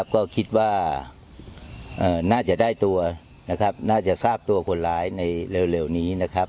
ก็คิดว่าน่าจะทราบตัวคนร้ายในเร็วนี้